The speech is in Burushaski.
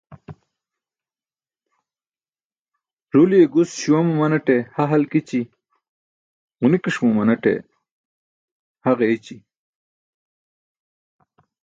Ruliye gus śuwa mumanate ha halkići, ġuni̇ki̇ṣ mumanate ha ġeeyci̇.